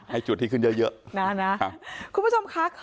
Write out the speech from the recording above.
ให้จุดที่ขึ้นเยอะเยอะน่ะน่ะครับคุณผู้ชมค่ะ